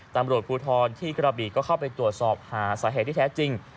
ตำรวจภูทรที่กระบีก็เข้าไปตรวจสอบหาสาเหตุที่แท้จริง